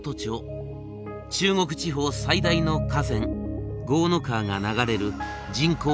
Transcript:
中国地方最大の河川江の川が流れる人口